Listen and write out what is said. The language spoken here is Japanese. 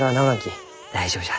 大丈夫じゃ。